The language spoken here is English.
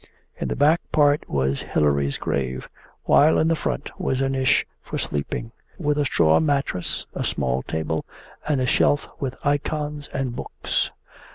In the back part was Hilary's grave, while in the front was a niche for sleeping, with a straw mattress, a small table, and a shelf with icons and books.